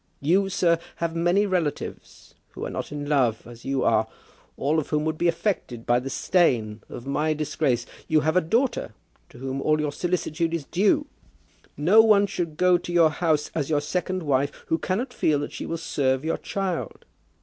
You, sir, have many relatives, who are not in love, as you are, all of whom would be affected by the stain of my disgrace. You have a daughter, to whom all your solicitude is due. No one should go to your house as your second wife who cannot feel that she will serve your child.